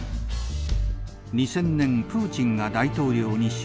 ２０００年プーチンが大統領に就任。